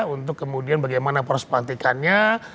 untuk kemudian bagaimana poros pelantikannya